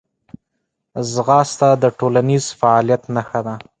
ځغاسته د ټولنیز فعالیت نښه ده